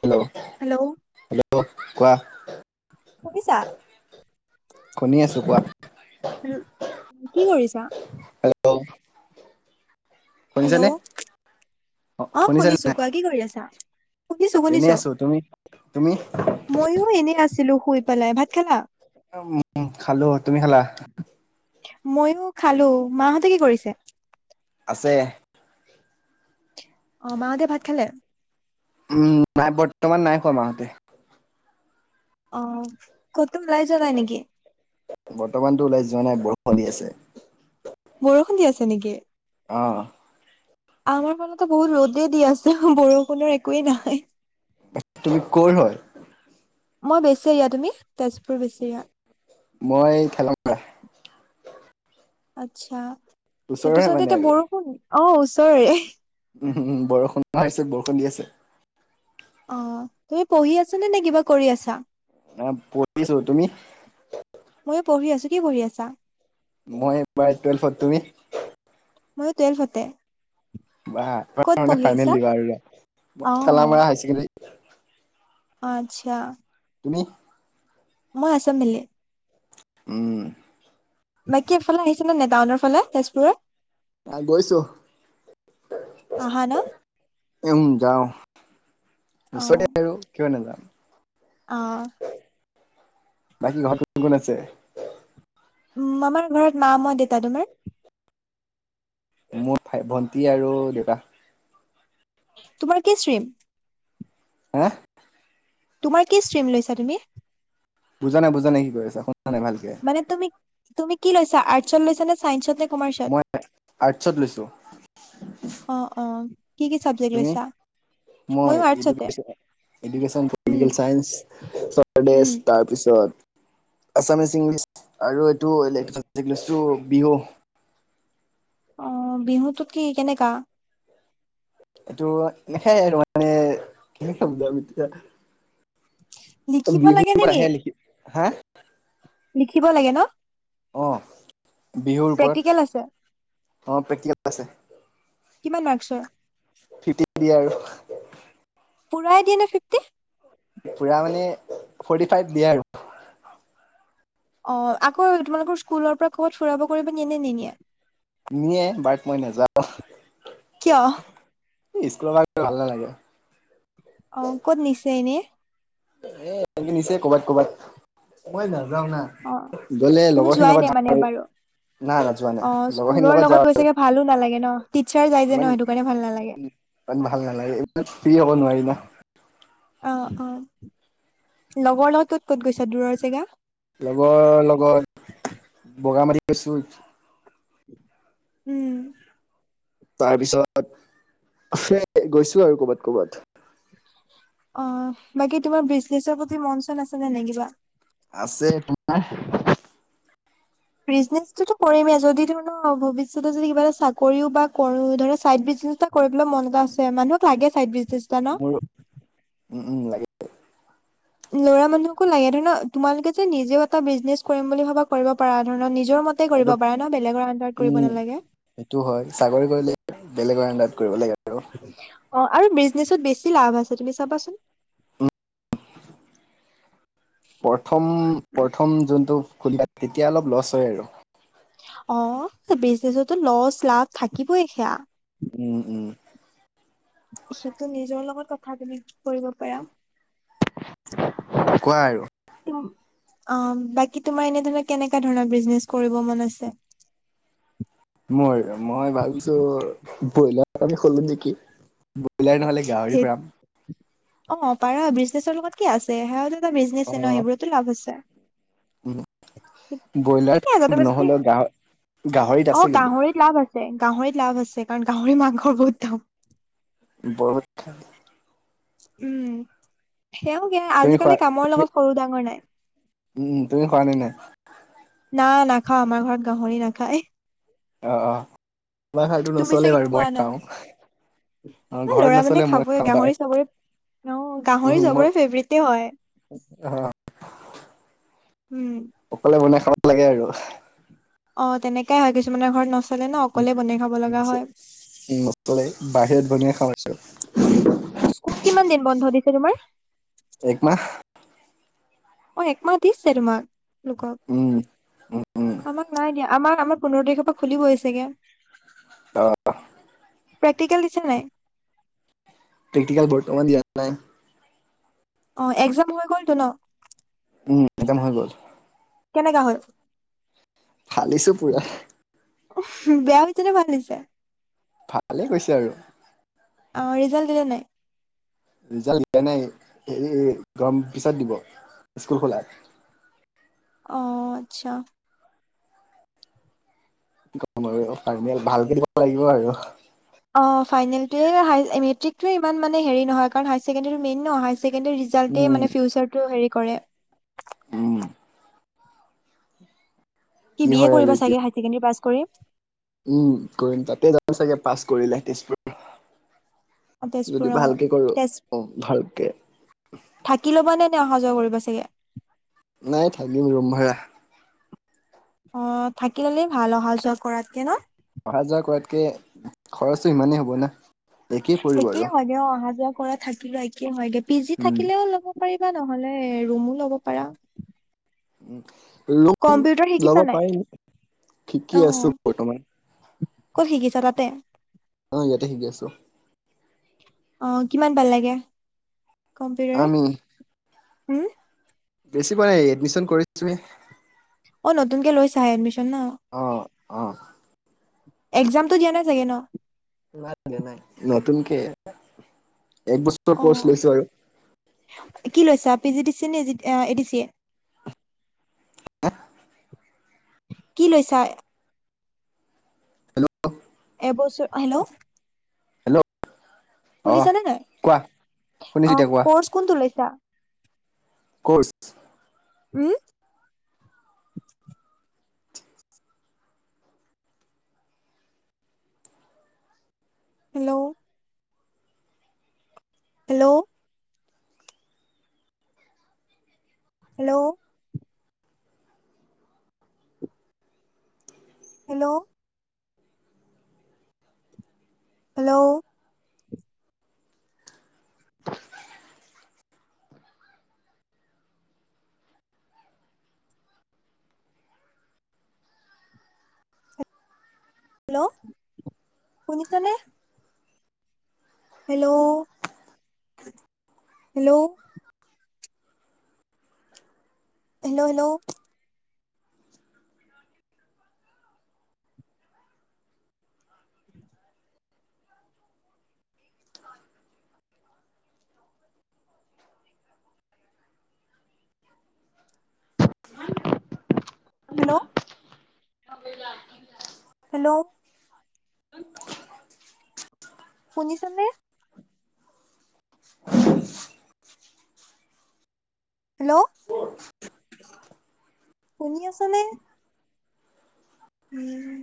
Hello hello hello কোৱা। শুনিছা? শুনি আছোঁ কোৱা। উ, কি কৰিছা? হেল্ল'? শুনিছানে? হেল্ল'? অ আহ শুনিছা শুনিছো নাই কোৱা কি কৰি আছা শুনিছো এনেই শুনিছো। আছো তুমি তুমি মইো এনে আছিলো শুই পেলাই ভাত খালা? উ, খালো তুমি খালা? মইও খালো মাহঁতে কি কৰিছে? আছে। অ', মাহতে ভাত খালে? উম, নাই বৰ্তমান নাই খোৱা মাহঁতে। অ', ক'তো ওলাই যোৱা নাই নেকি? বৰ্তমানতো ওলাই যোৱা নাই বৰষুণ দি আছে। বৰষুণ দি আছে নেকি? অঁ'। আমাৰ ফালে তো বহুত ৰ'দেই দি আছে বৰষুণৰ একোৱেই নাই। তুমি ক'ৰ হয়? মই বেছেৰীয়া তুমি তেজপুৰ বেছেৰীয়া। মই ঠেলা আচ্ছা সেইটো ওচৰৰে চাইডে মানে এতিয়া আৰু বৰষুণ অ', ওচৰেৰে। উম, বৰষুণ আহিছে বৰষুণ দি আছে। অ', তুমি পঢ়ি আছা নে কিবা কৰি আছা? অ', পঢ়িছো তুমি? ময়ো পঢ়ি আছো কি পঢ়ি আছা? মই এইবাৰ টুৱেল্ভত তুমি? মইও টুৱেল্ভতে। বা এইবাৰ মানে ফাইনেল দিবা আৰু অ'। ঠেলা অ', মাৰা হাইচেকেণ্ডাৰী আচ্ছা। তুমি? মই আছাম ভেলী। উম। বাকী এফালে আহিছা নে নাই টাউনৰ ফালে তেজপুৰত? আহ গৈছোঁ। আহা ন? উম, যাও ওচৰতে আৰু। কিয় নাজাম। অঁ'। বাকী ঘৰত কোন কোন আছে? উম, আমাৰ ঘৰত মা মই দেউতা। তোমাৰ? মোৰ ভাই ভন্টি আৰু দেউতা। তোমাৰ কি ষ্ট্ৰীম? হা? তোমাৰ কি ষ্ট্ৰীম লৈছা তুমি? বুজা নাই বুজা নাই কি কৈ আছা শুনা নাই ভালকে? মানে তুমি তুমি কি লৈছা আৰ্টছত লৈছা নে চাইন্সতে মই আৰ্টছত লৈছো। অ', অ'। কি কি চাব্জেক তুমি? লৈছা? মই ময়ো আৰ্টছতে। এডুকেশ্বন উম, পলিটিকেল চাইন্স উম। [unintelligible] তাৰপিছত আছামিছ ইংলিছ আৰু এইটো এলেক্টিভ চাবজেক্ট লৈছোঁ বিহু অ' বিহুতো কি কেনেকা? এইটো লেখাই আৰু মানে কেনেকে বুজাম আৰু এতিয়া। লিখিব বিহু লাগে নেকি? আহে লিখি হা লিখিব লাগে ন? অ' বিহুৰ ওপৰত প্ৰেক্টিকেল আছে। অ' প্ৰেক্টিকেল। আছে কিমান মাৰ্কছৰ? ফিটি দিয়ে আৰু। পূৰাই দিয়ে নে ফিফটি? পুৰা মানে ফৰ্টি ফাইভ দিয়ে আৰু। অ' আকৌ তোমালোকৰ স্কুলৰ পৰা ক'ৰবাত ফুৰাব কৰিব নিয়ে নে নিনিয়ে? নিয়ে বাট মই নাযাওঁ। কিয়? স্কুলৰ পৰা গৈ ভাল নালাগে। অ' ক'ত নিছে এনেই? এ নিছে ক'ৰবাত ক'ৰবাত মই নাযাওঁ না। অ গ'লে তুমি লগৰ খিনিৰ যোৱাই নাই লগত যাব মানে পাৰোঁ। এবাৰো নাই না যোৱা অ নাই লগৰ খিনিৰ স্কুলৰ লগত যাৱ গৈ আৰু চাগে ভালো নালাগে ন টিচাৰ যায় যে ন ইমান সেইটো কাৰণে ভাল নালাগে ইমান ভাল নালাগে এইমান ফ্ৰী হ'ব নোৱাৰি ন। অ', অ' লগৰ লগত ক'ত ক'ত গৈছা দূৰৰ জেগা? লগৰ লগত বগা মাটি গৈছোঁ উম। তাৰপিছত গৈছো আৰু ক'ৰবাত ক'ৰবাত। অ' বাকী তোমাৰ বিজনেছৰ প্ৰতি মন চন আছে নে নাই কিবা? আছে। তোমাৰ? বিজনেচটো তো কৰিমেই যদি ধৰা ভৱিষ্যতে যদি কিবা এটা চাকৰিও বা কৰো ধৰা চাইড বিজনেছ কৰিবলৈ মন এটা আছে। মানুহক লাগে চাইড বিজনেছ এটা ন? মোৰ উম, উম লাগে। ল'ৰা মানুহকো লাগে, ধৰি ল তোমালোকে যে নিজেও এটা বিজনেছ কৰিম বুলি ভাবা কৰিব পাৰা। ধৰা নিজৰ মতে তে এইটো কৰিব পৰা ন বেলেগৰ উণ্ডাৰত উম কৰিব নালাগে। সেইটো হয় চাকৰি কৰিলে বেলেগৰ আণ্ডাৰত কৰিব লাগে আৰু। অ' আৰু বিজনেচত বেছি লাভ আছে তুমি চাবাচোন। প্ৰথম প্ৰথম যোনটো তেতিয়া অলপ লষ্ট হয় আৰু। অ' বিজনেচততো লষ্ট লাভ থাকিবই সেয়া। উম, উম। সেইটো নিজৰ লগত কথা তুমি কৰিব পাৰা। কোৱা আৰু? অ' বাকী তোমাৰ এনে ধৰি লোৱা কেনেকা ধৰণৰ বিজনেচ কৰিব মন আছে? মই মই ভাবিছো ব্ৰইলাৰ এখনকে খলো নেকি। ব্ৰইলাৰ নহ'লে গাহৰি ধেত ফাৰ্ম। অ' পাৰা। বিজনেছৰ লগত কি আছে, সেয়াও টো এটা বিজনেচে ন। সেইবোৰতো লাভ আছে। উম। ঠিকে আছে ব্ৰইলাত। তুমি যদি নহলেও গাহ- গাহৰিত অ আছে কিন্তু। গাহৰিত লাভ আছে গাহৰিত লাভ আছে। কাৰণ গাহৰি মাংসৰ বহুত দাম। বহুত। উম। সেও কে। তুমি খোৱা আজিকালি কামৰ লগত সৰু-ডাঙৰ নাই। উম। তুমি কৰা নাই না। না। নাখাওঁ। আমাৰ ঘৰত গাহৰি নাখায়। অহ। অহ। আমাৰ ঘৰতো নচলে বাৰু। মই খাওঁ। অ' ঘৰত ল'ৰা নচলে মানুহে মই খাবই। খাওঁ বাই গাহৰি চবৰে অ' গাহৰি চবৰে ফেভৰেটে হয়। উ। অহ। উম। অকলে বনাই খাব লাগে আৰু। অ তেনেকাই হয়। কিছুমানে ঘৰত নচল মানে ন অকলে বনাই খাব লগা হয়। নচলে বাহিৰত বনাই খাওঁ আৰু স্কুল কিমান দিন বন্ধ দিছে তোমাৰ? এক মাহ। অ' একমাহ দিছে তোমাক লোকক? উম। উম আমাক নাই দিয়া। আমাক আমাৰ পোন্ধৰ তাৰিখৰ পৰা খুলিবই ছাগে। প্ৰেক্টিকেল দিছে নাই? প্ৰেক্টিকেল বৰ্তমান দিয়া নাই। অ' একজাম হৈ গ'লতো ন? উম। একজাম হৈ গ'ল। কেনেকা হল? ফালিছো পুৰা। বেয়া হৈছেনে? ভাল হৈছে? ভাল হৈছে আৰু। অ' ৰিজাল্ট দিলে নাই? ৰিজাল্ট দিয়া নাই। এই এই গৰমৰ পিছত দিব। স্কুল খোলাত অ' আচ্ছা। কি কম আৰু ফাইনেল। ভালকে দিব লাগিব আৰু। অ' ফাইনেলটোৱে, হাই মেট্ৰিকটোৱে ইমান মানে হেৰি নহয় কাৰণ হাইচেকেণ্ডেৰীটো মেইন ন। হাইচেকেণ্ডেৰী ৰিজা -জাল্টে উম। মানে ফিউচাৰটো হেৰি কৰে। উম। কি বি এ হয় আৰু কৰিব এতিয়া চাগে? হাই চেকেণ্ডাৰী পাছ কৰি। উম কৰিম। তাতে যাম চাগে পাছ কৰিলে তেজপুৰ! অ, যদি তেজপুৰ অ ভালকে কৰো, তেজ অ ভালকে থাকি ল'বা নে? নে অহা যোৱা কৰিব চাগে? নাই থাকিম ৰুম ভাড়া। অ' থাকি ললে ভাল। অহা-যোৱা কৰাতকে। ন। অহা যোৱা কৰাতকে, খৰচটো ইমানেই হ'ব না। পৰিব একেই আৰু হয় দে। অ' অহা -যোৱা কৰা, থাকি লোৱা একেই হয়গে। পি জি উম থাকিলেও ল'ব পাৰিবা। নহলে ৰুমো ল'ব পাৰা। লোন কম্পিউটাৰ লব শিকিছা নাই পাৰি, অ শিকি আছো বৰ্তমান। কত শিকিছা তাতে। অ', ইয়াতে শিকি আছো। অ', কিমান পালেগে, কম্পিউটাৰ, আমি উম। বেছি পোৱা নাই এডমিছন কৰিছোঁ হে অ', নতুক কে লৈ চা এডমিছন ন। অ'অ'। একজামটো দিয়া নাই চাগে ন। না দিয়া নাই নতুনকে এক বছৰ অ', কি কৈছা পি জি দিছে নে এ দিচিয়ে। [inaudible] কি লৈছা হেল্ল'। এইবছৰ হেল্ল'। হেল্ল' অ শুনিছানে নাই, কোৱা শুনিছো অ', এতিয়া কোৱা কোৰ্চ কোনতু লৈছা। কৰ্চে। উম। Hello. Hello. Hello. Hello. Hello. [inaudible] Hello শুনিছনে। Hello, hello. Hello hello. Hello. [unintelligible] Hello. শুনিচা নে। হেল্ল', শুনি আচা নে। উম।